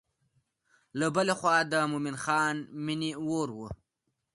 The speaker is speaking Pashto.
له بلې خوا د مومن خان مینې اور و.